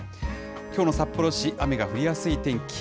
きょうの札幌市、雨が降りやすい天気。